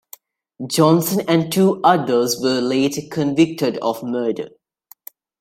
Johnson and two others were later convicted of murder.